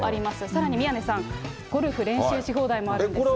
さらに宮根さん、ゴルフ練習し放題もあります。